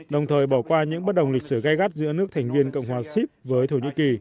đồng thời bỏ qua những bất đồng lịch sử gai gắt giữa nước thành viên cộng hòa sip với thổ nhĩ kỳ